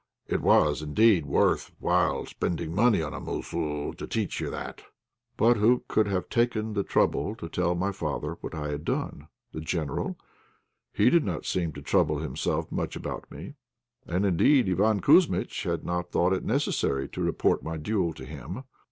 It was, indeed, worth while spending money upon a 'mossoo' to teach you that." But who could have taken the trouble to tell my father what I had done. The General? He did not seem to trouble himself much about me; and, indeed, Iván Kouzmitch had not thought it necessary to report my duel to him.